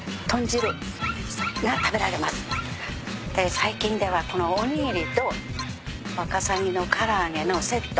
最近ではこのおにぎりとワカサギの唐揚げのセット